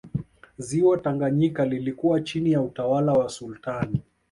Ziwa tanganyika lilikuwa chini ya utawala wa sultani